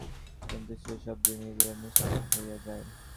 কিন্তু শেষ অবধি মিলিয়া মিশিয়া এক হইয়া যায়।